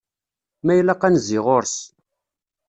Ma ilaq ad nezzi ɣur-s.